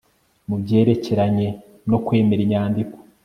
mu byerekeranye no kwemera inyandiko